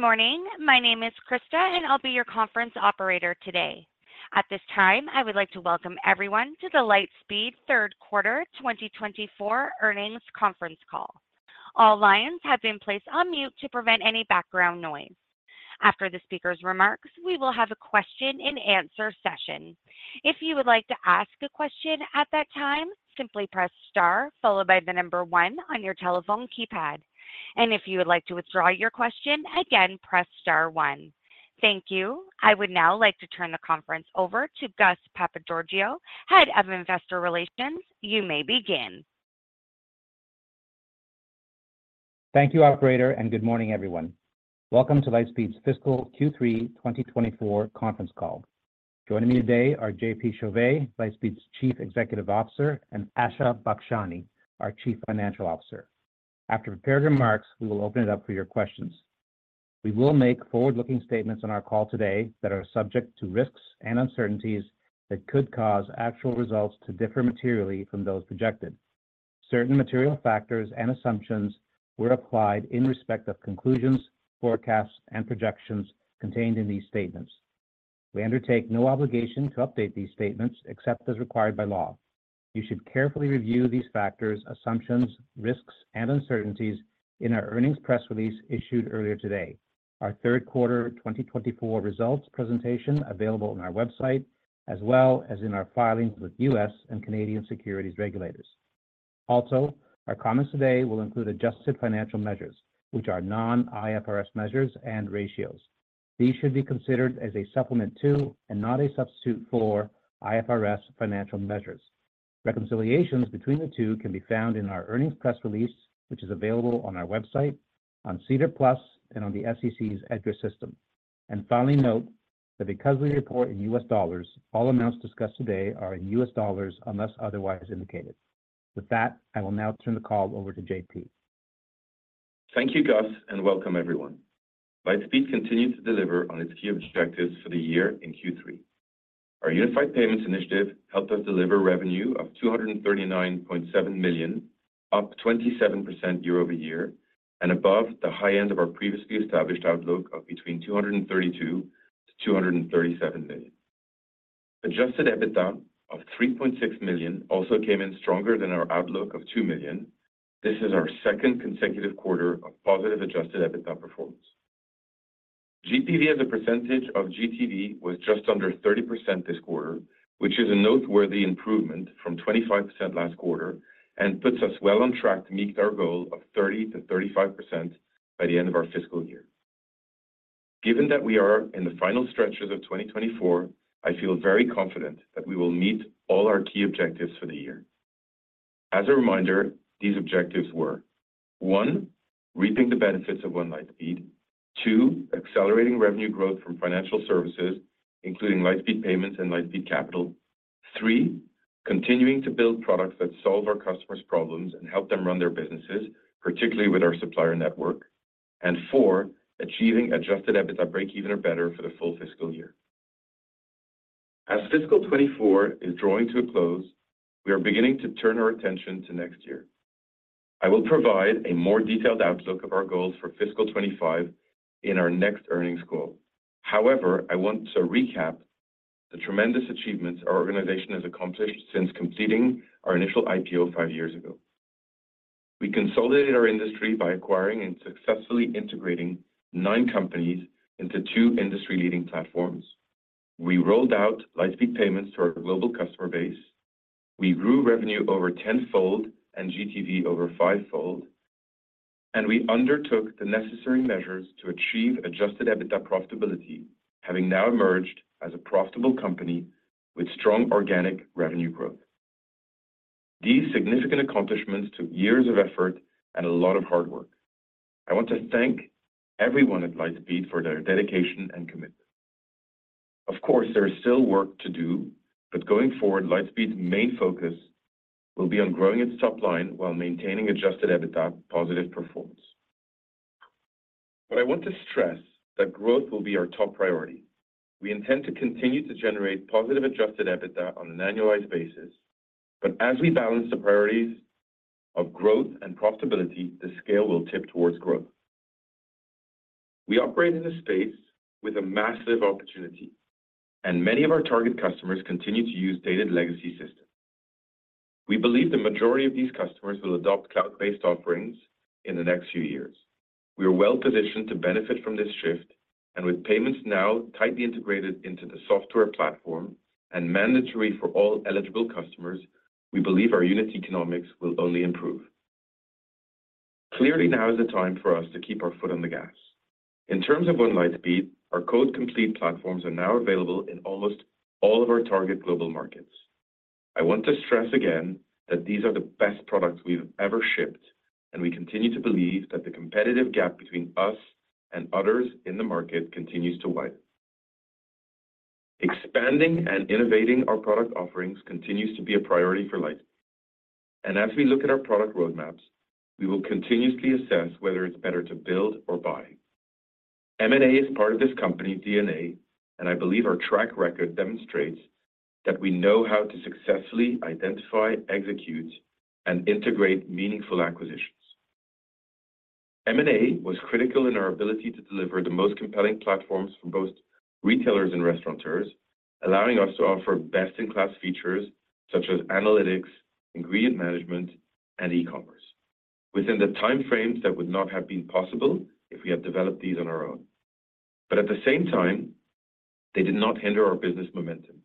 Good morning. My name is Krista, and I'll be your conference operator today. At this time, I would like to welcome everyone to the Lightspeed third quarter 2024 earnings conference call. All lines have been placed on mute to prevent any background noise. After the speaker's remarks, we will have a question-and-answer session. If you would like to ask a question at that time, simply press Star followed by the number 1 on your telephone keypad. If you would like to withdraw your question, again, press Star 1. Thank you. I would now like to turn the conference over to Gus Papageorgiou, Head of Investor Relations. You may begin. Thank you, operator, and good morning, everyone. Welcome to Lightspeed's Fiscal Q3 2024 Conference Call. Joining me today are JP Chauvet, Lightspeed's Chief Executive Officer, and Asha Bakshani, our Chief Financial Officer. After prepared remarks, we will open it up for your questions. We will make forward-looking statements on our call today that are subject to risks and uncertainties that could cause actual results to differ materially from those projected. Certain material factors and assumptions were applied in respect of conclusions, forecasts, and projections contained in these statements. We undertake no obligation to update these statements except as required by law. You should carefully review these factors, assumptions, risks, and uncertainties in our earnings press release issued earlier today, our third quarter 2024 results presentation available on our website, as well as in our filings with U.S. and Canadian securities regulators. Also, our comments today will include adjusted financial measures, which are non-IFRS measures and ratios. These should be considered as a supplement to, and not a substitute for, IFRS financial measures. Reconciliations between the two can be found in our earnings press release, which is available on our website, on SEDAR+, and on the SEC's EDGAR system. And finally, note that because we report in US dollars, all amounts discussed today are in US dollars unless otherwise indicated. With that, I will now turn the call over to JP. Thank you, Gus, and welcome everyone. Lightspeed continued to deliver on its key objectives for the year in Q3. Our Unified Payments initiative helped us deliver revenue of $239.7 million, up 27% year-over-year, and above the high end of our previously established outlook of between $232 million and $237 million. Adjusted EBITDA of $3.6 million also came in stronger than our outlook of $2 million. This is our second consecutive quarter of positive adjusted EBITDA performance. GPV as a percentage of GTV was just under 30% this quarter, which is a noteworthy improvement from 25% last quarter and puts us well on track to meet our goal of 30%-35% by the end of our fiscal year. Given that we are in the final stretches of 2024, I feel very confident that we will meet all our key objectives for the year. As a reminder, these objectives were: 1, reaping the benefits of One Lightspeed; 2, accelerating revenue growth from financial services, including Lightspeed Payments and Lightspeed Capital; 3, continuing to build products that solve our customers' problems and help them run their businesses, particularly with our supplier network; and 4, achieving Adjusted EBITDA breakeven or better for the full fiscal year. As fiscal 2024 is drawing to a close, we are beginning to turn our attention to next year. I will provide a more detailed outlook of our goals for fiscal 2025 in our next earnings call. However, I want to recap the tremendous achievements our organization has accomplished since completing our initial IPO 5 years ago. We consolidated our industry by acquiring and successfully integrating 9 companies into two industry-leading platforms. We rolled out Lightspeed Payments to our global customer base. We grew revenue over 10-fold and GTV over 5-fold, and we undertook the necessary measures to achieve Adjusted EBITDA profitability, having now emerged as a profitable company with strong organic revenue growth. These significant accomplishments took years of effort and a lot of hard work. I want to thank everyone at Lightspeed for their dedication and commitment. Of course, there is still work to do, but going forward, Lightspeed's main focus will be on growing its top line while maintaining Adjusted EBITDA positive performance. But I want to stress that growth will be our top priority. We intend to continue to generate positive Adjusted EBITDA on an annualized basis, but as we balance the priorities of growth and profitability, the scale will tip towards growth. We operate in a space with a massive opportunity, and many of our target customers continue to use dated legacy systems. We believe the majority of these customers will adopt cloud-based offerings in the next few years. We are well-positioned to benefit from this shift, and with payments now tightly integrated into the software platform and mandatory for all eligible customers, we believe our unit economics will only improve. Clearly, now is the time for us to keep our foot on the gas. In terms of One Lightspeed, our cloud complete platforms are now available in almost all of our target global markets. I want to stress again that these are the best products we've ever shipped, and we continue to believe that the competitive gap between us and others in the market continues to widen. Expanding and innovating our product offerings continues to be a priority for Lightspeed, and as we look at our product roadmaps, we will continuously assess whether it's better to build or buy. M&A is part of this company DNA, and I believe our track record demonstrates that we know how to successfully identify, execute, and integrate meaningful acquisitions. M&A was critical in our ability to deliver the most compelling platforms for both retailers and restaurateurs, allowing us to offer best-in-class features such as analytics, ingredient management, and e-commerce, within the time frames that would not have been possible if we had developed these on our own. But at the same time, they did not hinder our business momentum.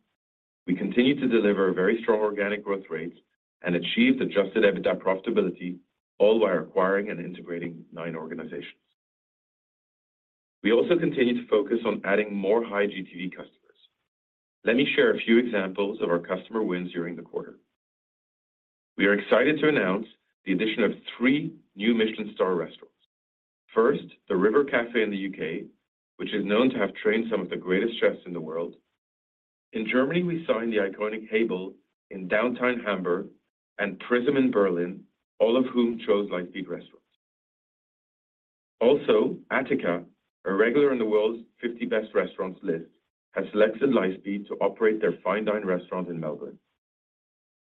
We continued to deliver very strong organic growth rates and achieved Adjusted EBITDA profitability, all while acquiring and integrating nine organizations. We also continued to focus on adding more high GTV customers. Let me share a few examples of our customer wins during the quarter. We are excited to announce the addition of three new Michelin star restaurants. First, The River Cafe in the U.K., which is known to have trained some of the greatest chefs in the world. In Germany, we signed the iconic Haerlin in downtown Hamburg and Prism in Berlin, all of whom chose Lightspeed Restaurant. Also, Attica, a regular in the World's 50 Best Restaurants list, has selected Lightspeed to operate their fine dining restaurant in Melbourne.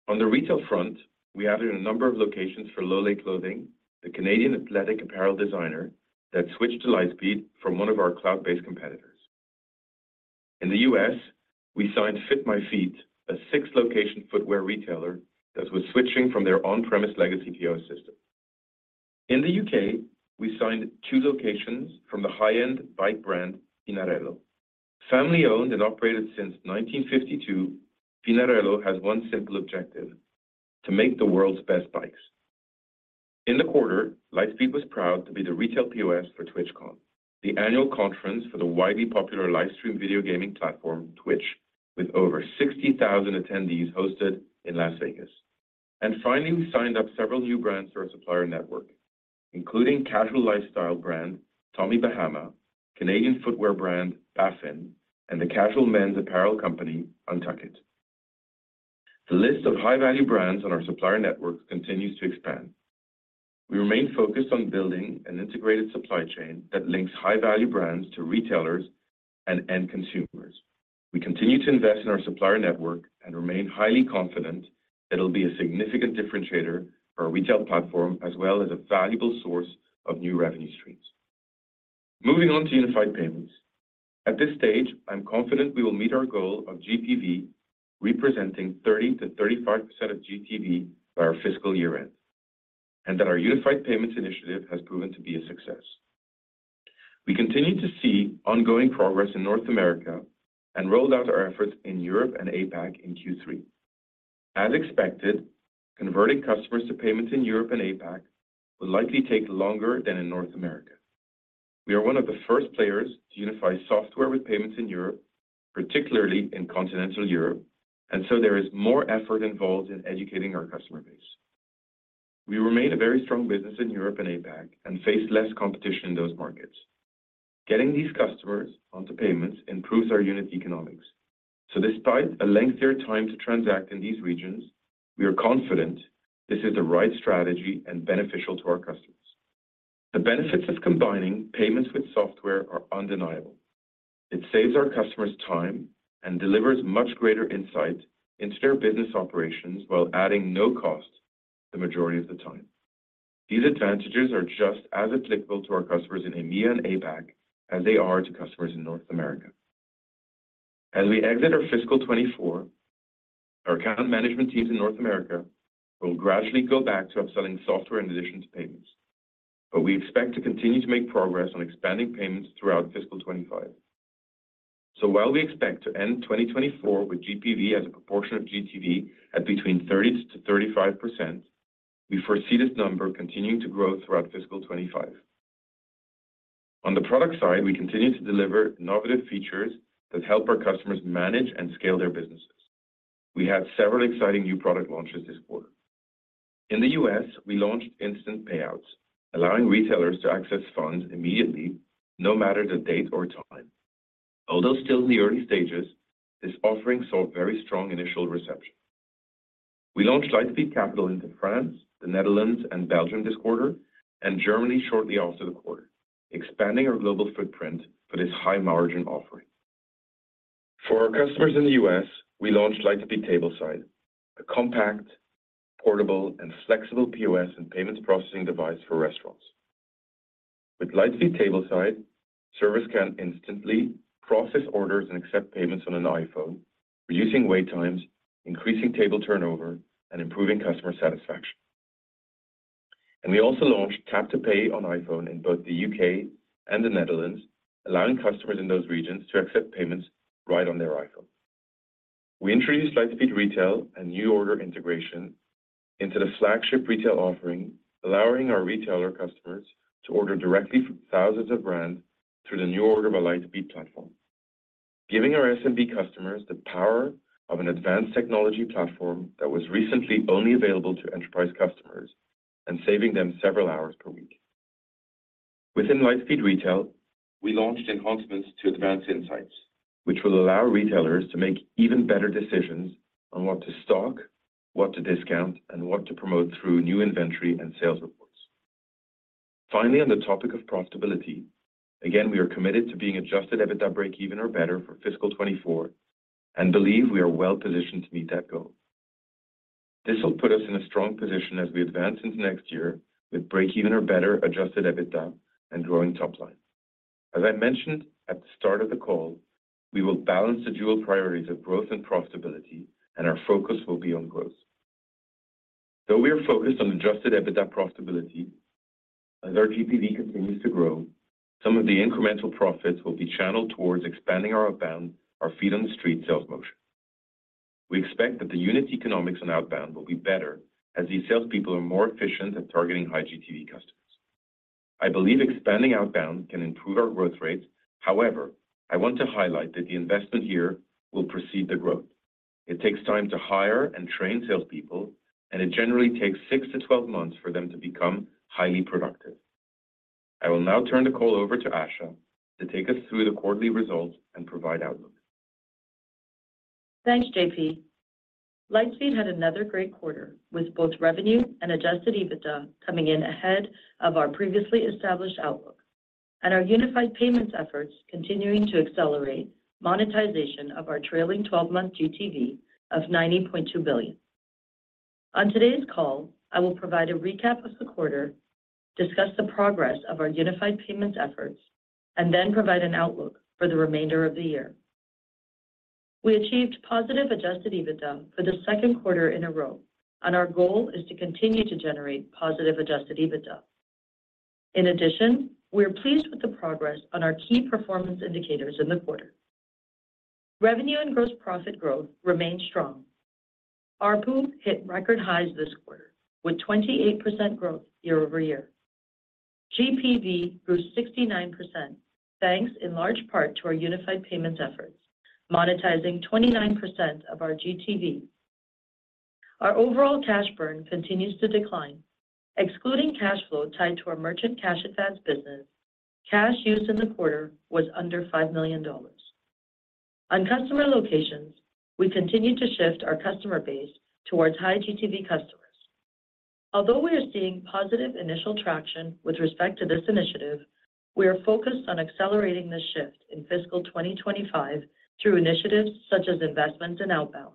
On the retail front, we added a number of locations for Lululemon, the Canadian athletic apparel designer, that switched to Lightspeed from one of our cloud-based competitors. In the U.S., we signed Fit My Feet, a six-location footwear retailer that was switching from their on-premise legacy POS system. In the U.K., we signed two locations from the high-end bike brand, Pinarello. Family-owned and operated since 1952, Pinarello has one simple objective: to make the world's best bikes. In the quarter, Lightspeed was proud to be the retail POS for TwitchCon, the annual conference for the widely popular live stream video gaming platform, Twitch, with over 60,000 attendees hosted in Las Vegas. And finally, we signed up several new brands for our supplier network, including casual lifestyle brand, Tommy Bahama, Canadian footwear brand, Baffin, and the casual men's apparel company, UNTUCKit. The list of high-value brands on our supplier network continues to expand. We remain focused on building an integrated supply chain that links high-value brands to retailers and end consumers. We continue to invest in our supplier network and remain highly confident that it'll be a significant differentiator for our retail platform, as well as a valuable source of new revenue streams. Moving on to Unified Payments. At this stage, I'm confident we will meet our goal of GPV, representing 30%-35% of GTV by our fiscal year end, and that our Unified Payments initiative has proven to be a success. We continue to see ongoing progress in North America and rolled out our efforts in Europe and APAC in Q3. As expected, converting customers to payments in Europe and APAC will likely take longer than in North America. We are one of the first players to unify software with payments in Europe, particularly in continental Europe, and so there is more effort involved in educating our customer base. We remain a very strong business in Europe and APAC, and face less competition in those markets. Getting these customers onto payments improves our unit economics. So despite a lengthier time to transact in these regions, we are confident this is the right strategy and beneficial to our customers. The benefits of combining payments with software are undeniable. It saves our customers time and delivers much greater insight into their business operations while adding no cost the majority of the time. These advantages are just as applicable to our customers in EMEA and APAC as they are to customers in North America. As we exit our fiscal 2024, our account management teams in North America will gradually go back to upselling software in addition to payments. But we expect to continue to make progress on expanding payments throughout fiscal 2025. So while we expect to end 2024 with GPV as a proportion of GTV at between 30%-35%, we foresee this number continuing to grow throughout fiscal 2025. On the product side, we continue to deliver innovative features that help our customers manage and scale their businesses. We had several exciting new product launches this quarter. In the U.S., we launched Instant Payouts, allowing retailers to access funds immediately, no matter the date or time. Although still in the early stages, this offering saw very strong initial reception. We launched Lightspeed Capital into France, the Netherlands, and Belgium this quarter, and Germany shortly after the quarter, expanding our global footprint for this high-margin offering. For our customers in the U.S., we launched Lightspeed Tableside, a compact, portable, and flexible POS and payments processing device for restaurants. With Lightspeed Tableside, servers can instantly process orders and accept payments on an iPhone, reducing wait times, increasing table turnover, and improving customer satisfaction. We also launched Tap to Pay on iPhone in both the U.K. and the Netherlands, allowing customers in those regions to accept payments right on their iPhone. We introduced Lightspeed Retail, a NuORDER integration into the flagship retail offering, allowing our retailer customers to order directly from thousands of brands through the NuORDER by Lightspeed platform, giving our SMB customers the power of an advanced technology platform that was recently only available to enterprise customers and saving them several hours per week. Within Lightspeed Retail, we launched enhancements to Advanced Insights, which will allow retailers to make even better decisions on what to stock, what to discount, and what to promote through new inventory and sales reports. Finally, on the topic of profitability, again, we are committed to being Adjusted EBITDA breakeven or better for fiscal 2024, and believe we are well-positioned to meet that goal. This will put us in a strong position as we advance into next year, with breakeven or better Adjusted EBITDA and growing top line. As I mentioned at the start of the call, we will balance the dual priorities of growth and profitability, and our focus will be on growth. Though we are focused on Adjusted EBITDA profitability, as our GPV continues to grow, some of the incremental profits will be channeled towards expanding our outbound, our feet-on-the-street sales motion. We expect that the unit economics on outbound will be better, as these salespeople are more efficient at targeting high GPV customers. I believe expanding outbound can improve our growth rate. However, I want to highlight that the investment here will precede the growth. It takes time to hire and train salespeople, and it generally takes 6-12 months for them to become highly productive. I will now turn the call over to Asha to take us through the quarterly results and provide outlook. Thanks, JP. Lightspeed had another great quarter, with both revenue and Adjusted EBITDA coming in ahead of our previously established outlook, and our Unified Payments efforts continuing to accelerate monetization of our trailing-twelve-month GTV of $90.2 billion. On today's call, I will provide a recap of the quarter, discuss the progress of our Unified Payments efforts, and then provide an outlook for the remainder of the year. We achieved positive Adjusted EBITDA for the second quarter in a row, and our goal is to continue to generate positive Adjusted EBITDA. In addition, we are pleased with the progress on our key performance indicators in the quarter. Revenue and gross profit growth remained strong. ARPU hit record highs this quarter, with 28% growth year-over-year. GPV grew 69%, thanks in large part to our Unified Payments efforts, monetizing 29% of our GTV. Our overall cash burn continues to decline. Excluding cash flow tied to our merchant cash advance business, cash use in the quarter was under $5 million. On customer locations, we continued to shift our customer base towards high GTV customers. Although we are seeing positive initial traction with respect to this initiative, we are focused on accelerating this shift in fiscal 2025 through initiatives such as investment and outbound.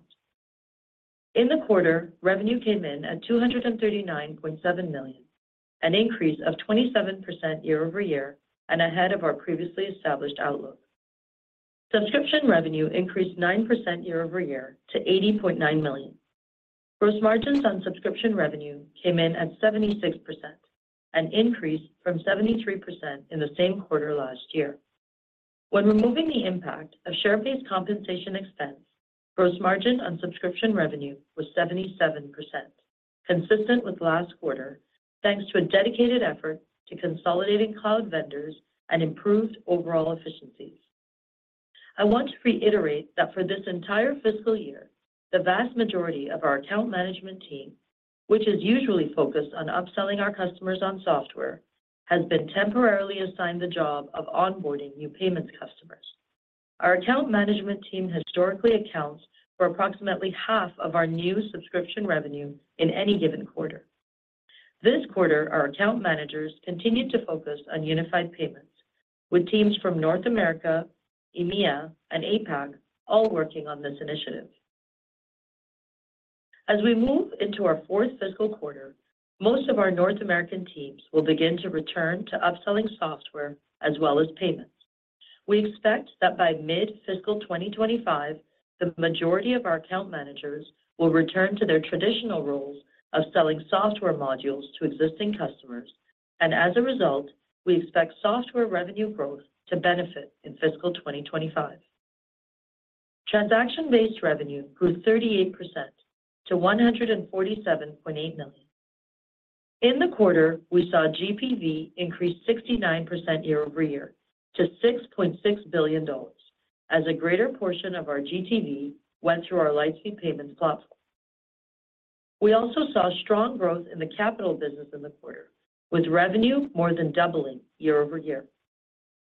In the quarter, revenue came in at $239.7 million, an increase of 27% year-over-year and ahead of our previously established outlook. Subscription revenue increased 9% year-over-year to $80.9 million. Gross margins on subscription revenue came in at 76%, an increase from 73% in the same quarter last year. When removing the impact of share-based compensation expense, gross margin on subscription revenue was 77%, consistent with last quarter, thanks to a dedicated effort to consolidating cloud vendors and improved overall efficiencies. I want to reiterate that for this entire fiscal year, the vast majority of our account management team, which is usually focused on upselling our customers on software, has been temporarily assigned the job of onboarding new payments customers. Our account management team historically accounts for approximately half of our new subscription revenue in any given quarter. This quarter, our account managers continued to focus on Unified Payments, with teams from North America, EMEA, and APAC all working on this initiative. As we move into our fourth fiscal quarter, most of our North American teams will begin to return to upselling software as well as payments. We expect that by mid-fiscal 2025, the majority of our account managers will return to their traditional roles of selling software modules to existing customers. As a result, we expect software revenue growth to benefit in fiscal 2025. Transaction-based revenue grew 38% to $147.8 million. In the quarter, we saw GPV increase 69% year-over-year to $6.6 billion, as a greater portion of our GTV went through our Lightspeed Payments platform. We also saw strong growth in the capital business in the quarter, with revenue more than doubling year-over-year.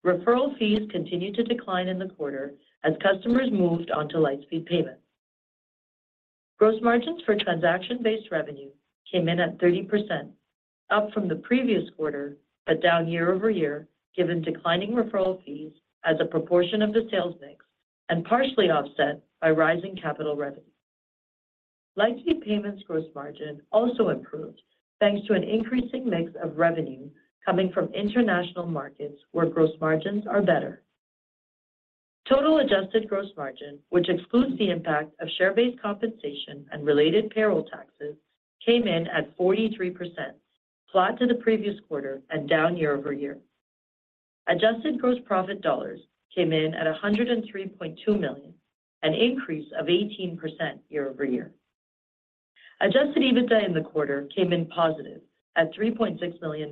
Referral fees continued to decline in the quarter as customers moved on to Lightspeed Payments. Gross margins for transaction-based revenue came in at 30%, up from the previous quarter, but down year-over-year, given declining referral fees as a proportion of the sales mix and partially offset by rising capital revenue. Lightspeed Payments' gross margin also improved, thanks to an increasing mix of revenue coming from international markets, where gross margins are better. Total adjusted gross margin, which excludes the impact of share-based compensation and related payroll taxes, came in at 43%, flat to the previous quarter and down year-over-year. Adjusted gross profit dollars came in at $103.2 million, an increase of 18% year-over-year. Adjusted EBITDA in the quarter came in positive at $3.6 million.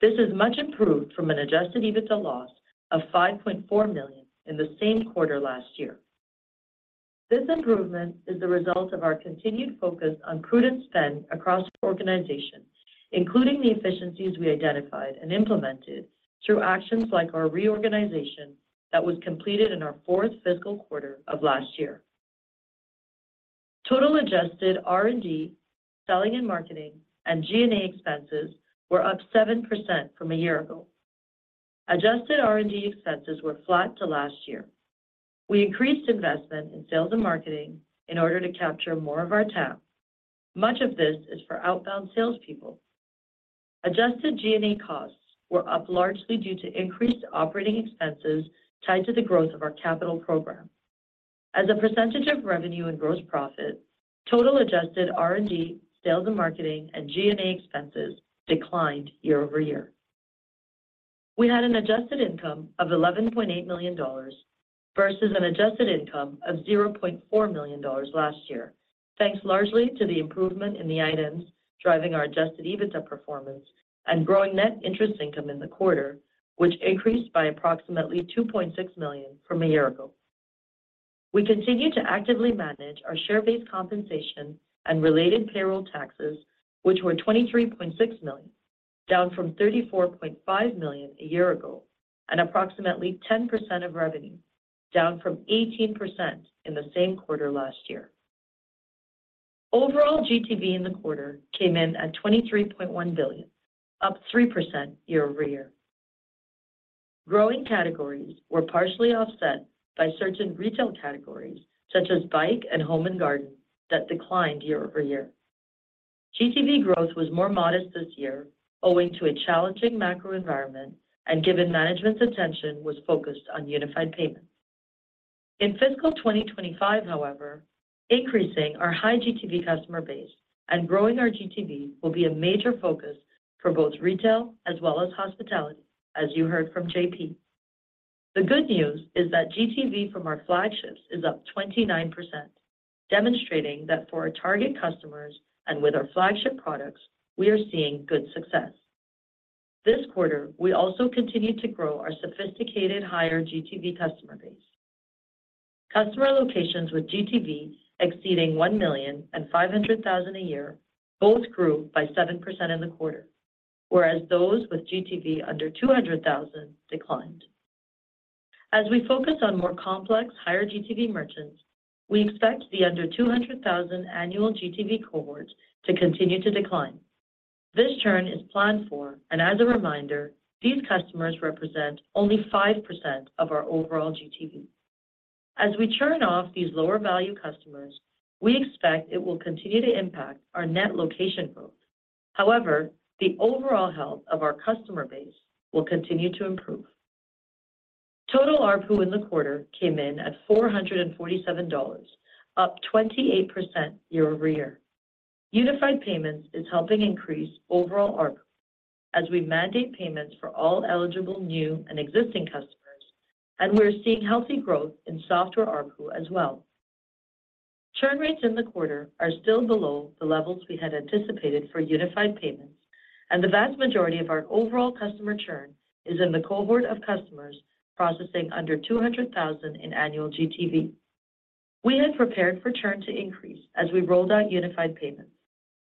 This is much improved from an adjusted EBITDA loss of $5.4 million in the same quarter last year. This improvement is the result of our continued focus on prudent spend across the organization, including the efficiencies we identified and implemented through actions like our reorganization that was completed in our fourth fiscal quarter of last year. Total adjusted R&D, selling and marketing, and G&A expenses were up 7% from a year ago. Adjusted R&D expenses were flat to last year. We increased investment in sales and marketing in order to capture more of our TAM. Much of this is for outbound salespeople. Adjusted G&A costs were up largely due to increased operating expenses tied to the growth of our capital program. As a percentage of revenue and gross profit, total adjusted R&D, sales and marketing, and G&A expenses declined year-over-year. We had an adjusted income of $11.8 million, versus an adjusted income of $0.4 million last year, thanks largely to the improvement in the items driving our adjusted EBITDA performance and growing net interest income in the quarter, which increased by approximately $2.6 million from a year ago. We continue to actively manage our share-based compensation and related payroll taxes, which were $23.6 million, down from $34.5 million a year ago, and approximately 10% of revenue, down from 18% in the same quarter last year. Overall GTV in the quarter came in at $23.1 billion, up 3% year-over-year. Growing categories were partially offset by certain retail categories, such as bike and home and garden, that declined year-over-year. GTV growth was more modest this year, owing to a challenging macro environment and given management's attention was focused on Unified Payments. In fiscal 2025, however, increasing our high GTV customer base and growing our GTV will be a major focus for both retail as well as hospitality, as you heard from JP. The good news is that GTV from our flagships is up 29%, demonstrating that for our target customers and with our flagship products, we are seeing good success. This quarter, we also continued to grow our sophisticated higher GTV customer base. Customer locations with GTV exceeding $1,500,000 a year both grew by 7% in the quarter, whereas those with GTV under $200,000 declined. As we focus on more complex, higher GTV merchants, we expect the under $200,000 annual GTV cohorts to continue to decline. This churn is planned for, and as a reminder, these customers represent only 5% of our overall GTV. As we churn off these lower-value customers, we expect it will continue to impact our net location growth. However, the overall health of our customer base will continue to improve. Total ARPU in the quarter came in at $447, up 28% year-over-year. Unified Payments is helping increase overall ARPU as we mandate payments for all eligible new and existing customers, and we are seeing healthy growth in software ARPU as well. Churn rates in the quarter are still below the levels we had anticipated for Unified Payments, and the vast majority of our overall customer churn is in the cohort of customers processing under 200,000 in annual GTV. We had prepared for churn to increase as we rolled out Unified Payments.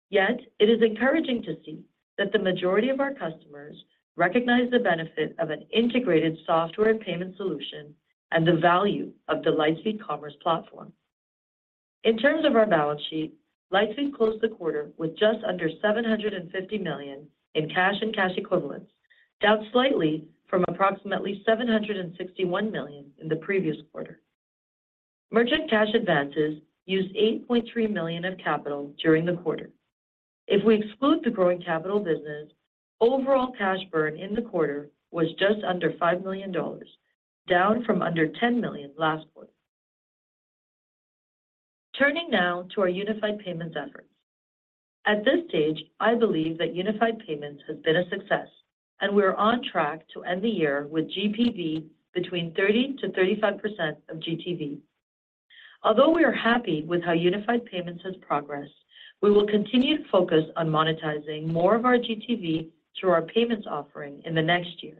Yet it is encouraging to see that the majority of our customers recognize the benefit of an integrated software and payment solution and the value of the Lightspeed Commerce platform. In terms of our balance sheet, Lightspeed closed the quarter with just under $750 million in cash and cash equivalents, down slightly from approximately $761 million in the previous quarter. Merchant cash advances used $8.3 million of capital during the quarter. If we exclude the growing capital business, overall cash burn in the quarter was just under $5 million, down from under $10 million last quarter. Turning now to our Unified Payments effort. At this stage, I believe that Unified Payments has been a success, and we are on track to end the year with GPV between 30%-35% of GTV. Although we are happy with how Unified Payments has progressed, we will continue to focus on monetizing more of our GTV through our payments offering in the next year.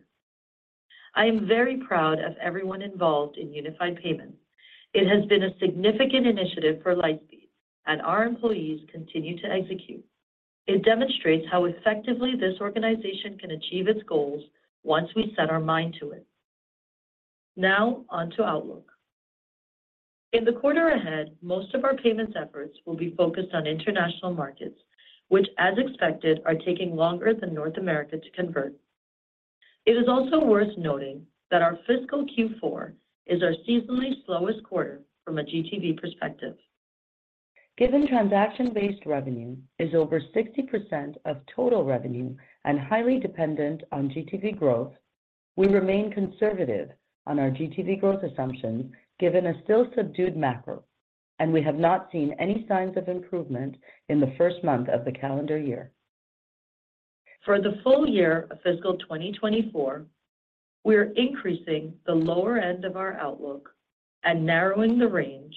I am very proud of everyone involved in Unified Payments. It has been a significant initiative for Lightspeed, and our employees continue to execute. It demonstrates how effectively this organization can achieve its goals once we set our mind to it. Now, on to outlook. In the quarter ahead, most of our payments efforts will be focused on international markets, which, as expected, are taking longer than North America to convert. It is also worth noting that our fiscal Q4 is our seasonally slowest quarter from a GTV perspective. Given transaction-based revenue is over 60% of total revenue and highly dependent on GTV growth, we remain conservative on our GTV growth assumptions, given a still subdued macro, and we have not seen any signs of improvement in the first month of the calendar year. For the full year of fiscal 2024, we are increasing the lower end of our outlook and narrowing the range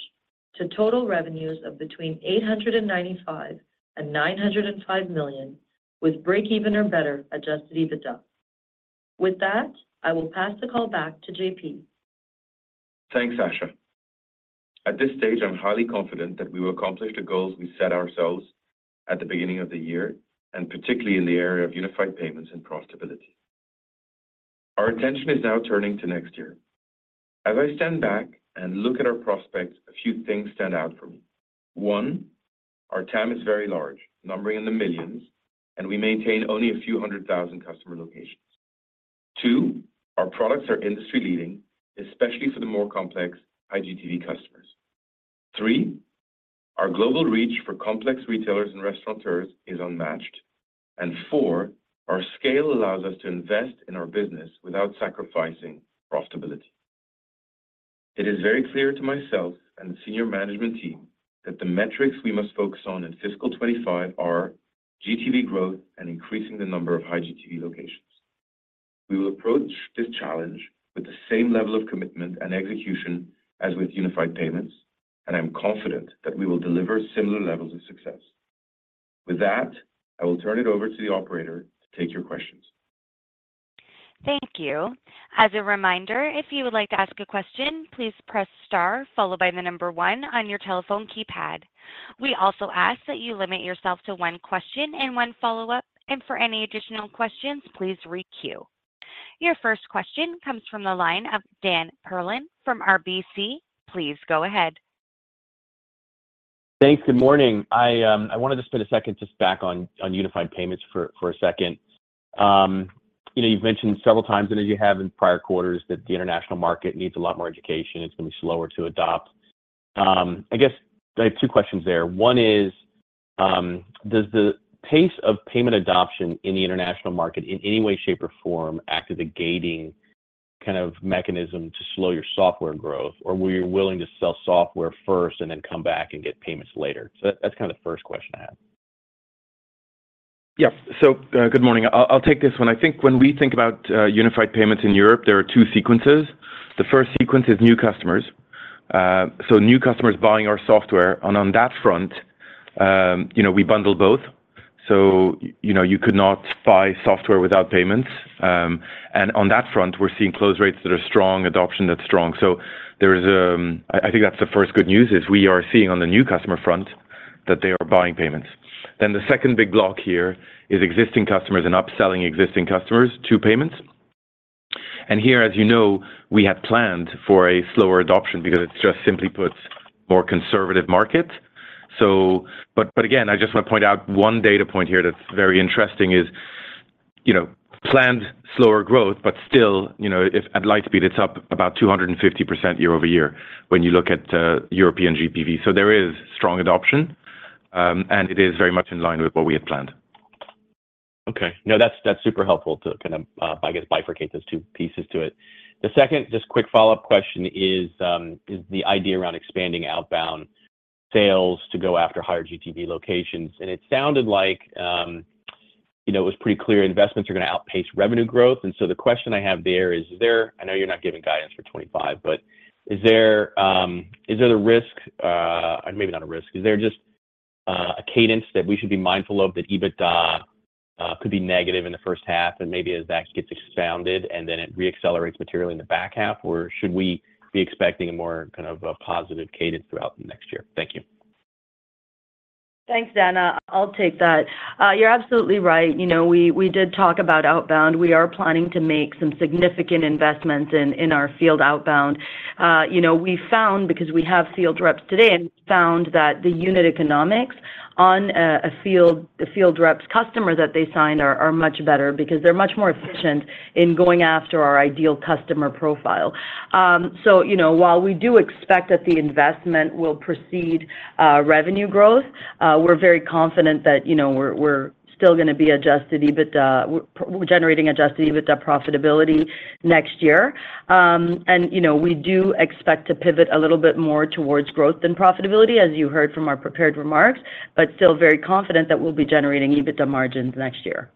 to total revenues of between $895 million and $905 million, with break-even or better Adjusted EBITDA. With that, I will pass the call back to JP. Thanks, Asha. At this stage, I'm highly confident that we will accomplish the goals we set ourselves at the beginning of the year, and particularly in the area of Unified Payments and profitability.... Our attention is now turning to next year. As I stand back and look at our prospects, a few things stand out for me. One, our TAM is very large, numbering in the millions, and we maintain only a few hundred thousand customer locations. Two, our products are industry-leading, especially for the more complex high GTV customers. Three, our global reach for complex retailers and restaurateurs is unmatched. And four, our scale allows us to invest in our business without sacrificing profitability. It is very clear to myself and the senior management team that the metrics we must focus on in fiscal 2025 are GTV growth and increasing the number of high GTV locations. We will approach this challenge with the same level of commitment and execution as with Unified Payments, and I'm confident that we will deliver similar levels of success. With that, I will turn it over to the operator to take your questions. Thank you. As a reminder, if you would like to ask a question, please press star followed by the number one on your telephone keypad. We also ask that you limit yourself to one question and one follow-up, and for any additional questions, please requeue. Your first question comes from the line of Dan Perlin from RBC. Please go ahead. Thanks. Good morning. I, I wanted to spend a second just back on, on Unified Payments for, for a second. You know, you've mentioned several times, and as you have in prior quarters, that the international market needs a lot more education, it's going to be slower to adopt. I guess I have two questions there. One is, does the pace of payment adoption in the international market in any way, shape, or form, act as a gating kind of mechanism to slow your software growth? Or were you willing to sell software first and then come back and get payments later? So that's kind of the first question I had. Yeah. So, good morning. I'll take this one. I think when we think about Unified Payments in Europe, there are two sequences. The first sequence is new customers. So new customers buying our software, and on that front, you know, we bundle both. So, you know, you could not buy software without payments. And on that front, we're seeing close rates that are strong, adoption that's strong. So there is—I think that's the first good news, is we are seeing on the new customer front that they are buying payments. Then the second big block here is existing customers and upselling existing customers to payments. And here, as you know, we had planned for a slower adoption because it's just simply put, more conservative markets. But again, I just want to point out one data point here that's very interesting is, you know, planned slower growth, but still, you know, if at Lightspeed, it's up about 250% year-over-year when you look at European GPV. So there is strong adoption, and it is very much in line with what we had planned. Okay. No, that's, that's super helpful to kind of, I guess, bifurcate those two pieces to it. The second, just quick follow-up question is, is the idea around expanding outbound sales to go after higher GTV locations. And it sounded like, you know, it was pretty clear investments are going to outpace revenue growth. And so the question I have there is. I know you're not giving guidance for 25, but is there a risk, maybe not a risk, is there just a cadence that we should be mindful of that EBITDA could be negative in the first half and maybe as that gets expounded and then it re-accelerates materially in the back half? Or should we be expecting a more kind of a positive cadence throughout the next year? Thank you. Thanks, Dan. I'll take that. You're absolutely right. You know, we did talk about outbound. We are planning to make some significant investments in our field outbound. You know, we found, because we have field reps today, and found that the unit economics on a field, the field reps customer that they sign are much better because they're much more efficient in going after our ideal customer profile. So, you know, while we do expect that the investment will proceed revenue growth, we're very confident that, you know, we're still gonna be Adjusted EBITDA-- we're generating Adjusted EBITDA profitability next year. And you know, we do expect to pivot a little bit more towards growth than profitability, as you heard from our prepared remarks, but still very confident that we'll be generating EBITDA margins next year.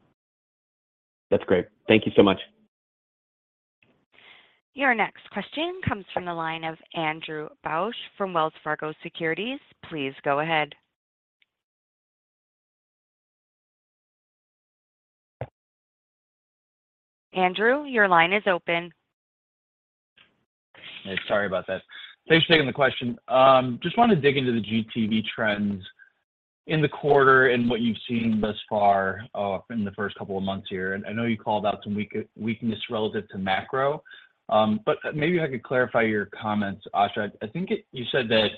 That's great. Thank you so much. Your next question comes from the line of Andrew Bauch from Wells Fargo Securities. Please go ahead. Andrew, your line is open. Hey, sorry about that. Thanks for taking the question. Just wanted to dig into the GTV trends in the quarter and what you've seen thus far in the first couple of months here. I know you called out some weakness relative to macro, but maybe I could clarify your comments, Asha. I think you said that,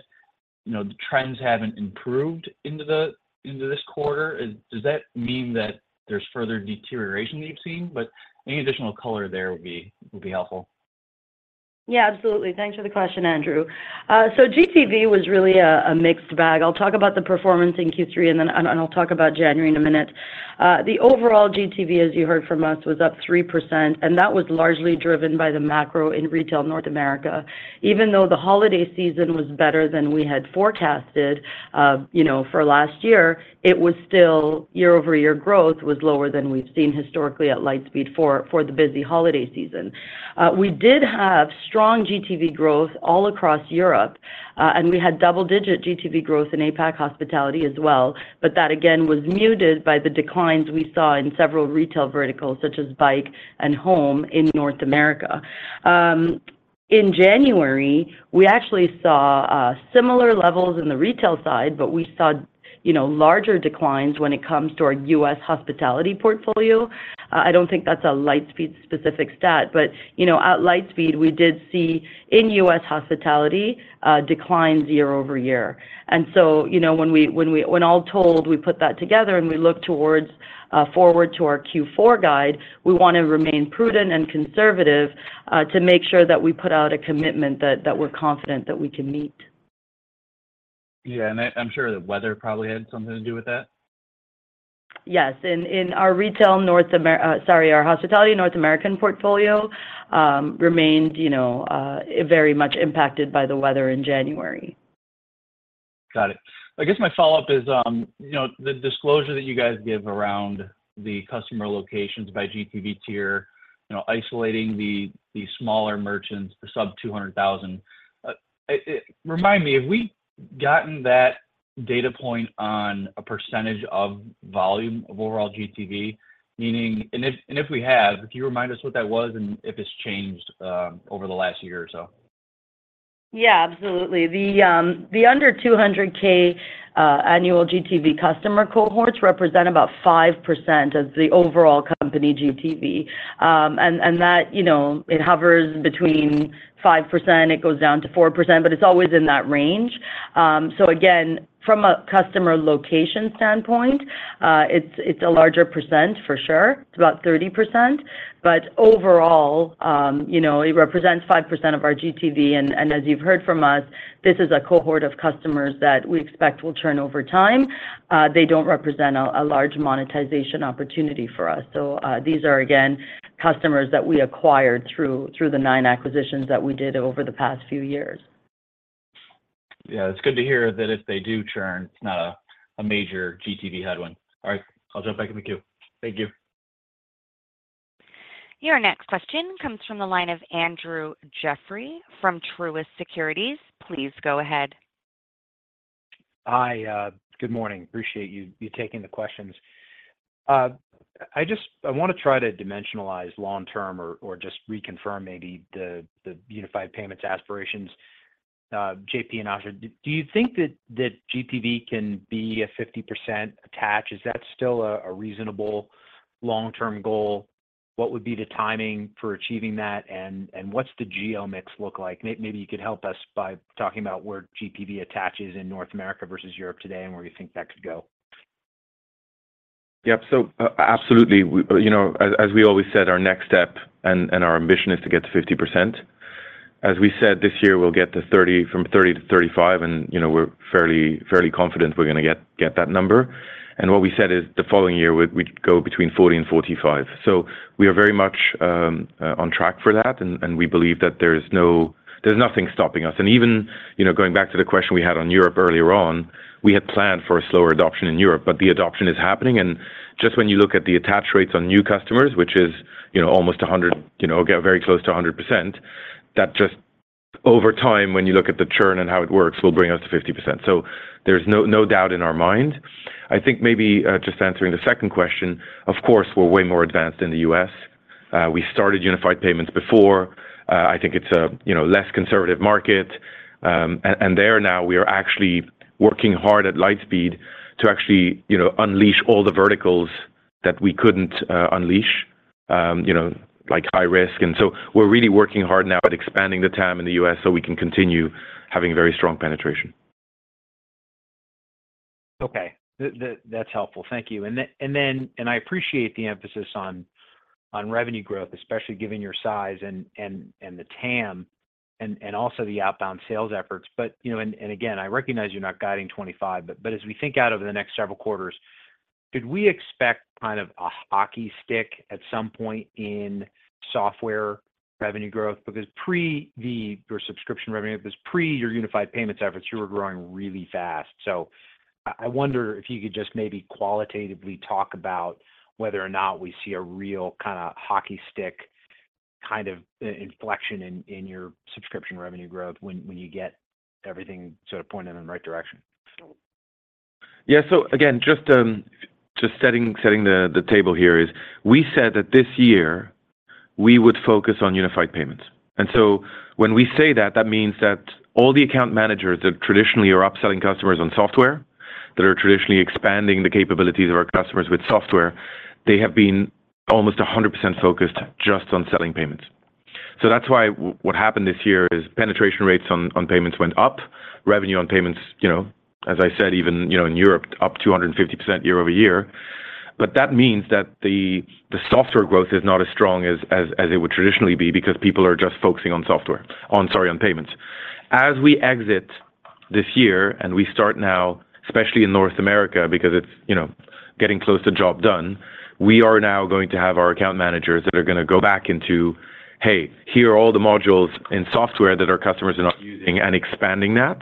you know, the trends haven't improved into this quarter. Does that mean that there's further deterioration that you've seen? But any additional color there would be helpful. Yeah, absolutely. Thanks for the question, Andrew. So GTV was really a mixed bag. I'll talk about the performance in Q3, and then I'll talk about January in a minute. The overall GTV, as you heard from us, was up 3%, and that was largely driven by the macro in retail North America. Even though the holiday season was better than we had forecasted, you know, for last year, it was still year-over-year growth was lower than we've seen historically at Lightspeed for the busy holiday season. We did have strong GTV growth all across Europe, and we had double-digit GTV growth in APAC hospitality as well. But that, again, was muted by the declines we saw in several retail verticals, such as bike and home in North America. So-... In January, we actually saw similar levels in the retail side, but we saw, you know, larger declines when it comes to our U.S. hospitality portfolio. I don't think that's a Lightspeed specific stat, but, you know, at Lightspeed, we did see in U.S. hospitality declines year-over-year. And so, you know, when all told, we put that together and we look towards forward to our Q4 guide, we wanna remain prudent and conservative to make sure that we put out a commitment that we're confident that we can meet. Yeah, and I, I'm sure the weather probably had something to do with that? Yes. In our hospitality, North American portfolio, remained, you know, very much impacted by the weather in January. Got it. I guess my follow-up is, you know, the disclosure that you guys give around the customer locations by GTV tier, you know, isolating the smaller merchants, the sub $200,000. Remind me, have we gotten that data point on a percentage of volume of overall GTV? Meaning, and if, and if we have, can you remind us what that was and if it's changed over the last year or so? Yeah, absolutely. The under 200K annual GTV customer cohorts represent about 5% of the overall company GTV. And that, you know, it hovers between 5%, it goes down to 4%, but it's always in that range. So again, from a customer location standpoint, it's a larger percent for sure. It's about 30%, but overall, you know, it represents 5% of our GTV, and as you've heard from us, this is a cohort of customers that we expect will turn over time. They don't represent a large monetization opportunity for us. So, these are, again, customers that we acquired through the 9 acquisitions that we did over the past few years. Yeah, it's good to hear that if they do churn, it's not a major GTV headwind. All right, I'll jump back in the queue. Thank you. Your next question comes from the line of Andrew Jeffrey from Truist Securities. Please go ahead. Hi, good morning. Appreciate you taking the questions. I just—I wanna try to dimensionalize long term or just reconfirm maybe the Unified Payments aspirations. JP and Asha, do you think that GTV can be a 50% attach? Is that still a reasonable long-term goal? What would be the timing for achieving that? And what's the geo mix look like? Maybe you could help us by talking about where GTV attaches in North America versus Europe today, and where you think that could go. Yep. So absolutely, you know, as we always said, our next step and our ambition is to get to 50%. As we said, this year, we'll get to 30%-35%, and, you know, we're fairly confident we're gonna get that number. And what we said is the following year, we'd go between 40% and 45%. So we are very much on track for that, and we believe that there's nothing stopping us. And even, you know, going back to the question we had on Europe earlier on, we had planned for a slower adoption in Europe, but the adoption is happening. Just when you look at the attach rates on new customers, which is, you know, almost 100, you know, again, very close to 100%, that just over time, when you look at the churn and how it works, will bring us to 50%. There's no, no doubt in our mind. I think maybe just answering the second question, of course, we're way more advanced in the U.S. We started Unified Payments before. I think it's a, you know, less conservative market. And there now we are actually working hard at Lightspeed to actually, you know, unleash all the verticals that we couldn't unleash, you know, like high risk. And so we're really working hard now at expanding the TAM in the U.S. so we can continue having very strong penetration. Okay. That's helpful. Thank you. And then... And I appreciate the emphasis on revenue growth, especially given your size and the TAM, and also the outbound sales efforts. But, you know, and again, I recognize you're not guiding 25, but as we think out over the next several quarters, could we expect kind of a hockey stick at some point in software revenue growth? Because pre your subscription revenue, because pre your Unified Payments efforts, you were growing really fast. So I wonder if you could just maybe qualitatively talk about whether or not we see a real kind of hockey stick kind of inflection in your subscription revenue growth when you get everything sort of pointed in the right direction. Yeah. So again, just setting the table here, we said that this year we would focus on Unified Payments. So when we say that, that means that all the account managers that traditionally are upselling customers on software, that are traditionally expanding the capabilities of our customers with software, they have been almost 100% focused just on selling payments. So that's why what happened this year is penetration rates on payments went up, revenue on payments, you know, as I said, even, you know, in Europe, up 250% year-over-year. But that means that the software growth is not as strong as it would traditionally be because people are just focusing on payments. As we exit this year, and we start now, especially in North America, because it's, you know, getting close to job done, we are now going to have our account managers that are gonna go back into, "Hey, here are all the modules in software that our customers are not using," and expanding that.